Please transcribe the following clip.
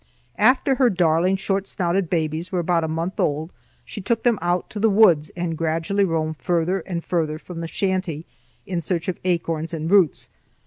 After her darling short snouted babies were about a month old, she took them out to the woods and gradually roamed farther and farther from the shanty in search of acorns and roots.